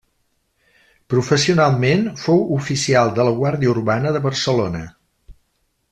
Professionalment fou oficial de la Guàrdia Urbana de Barcelona.